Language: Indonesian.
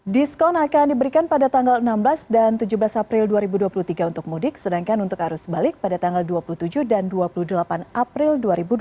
diskon akan diberikan pada tanggal enam belas dan tujuh belas april dua ribu dua puluh tiga untuk mudik sedangkan untuk arus balik pada tanggal dua puluh tujuh dan dua puluh delapan april dua ribu dua puluh